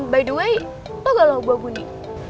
by the way lo nggak lo buah bunyi